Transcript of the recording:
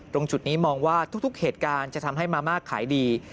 ตรงจุดนี้มองว่าทุกเหตุการณ์จะทำให้มาม่าขายดี